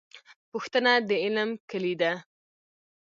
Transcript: پوښتنه د علم کیلي ده